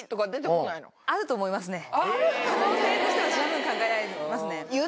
可能性としては十分考えられますね。